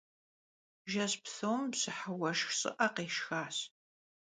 Jjeş psom bjıhe vueşşx şı'e khêşşxaş.